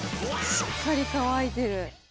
しっかり乾いてる。